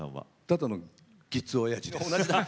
ただのキッズおやじです。